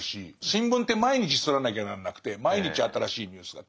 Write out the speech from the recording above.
新聞って毎日刷らなきゃなんなくて毎日新しいニュースが。